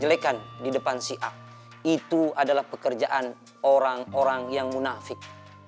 jelekan di depan siak itu adalah pekerjaan orang orang yang munafik